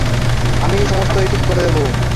আমি সমস্তই ঠিক করে দেব।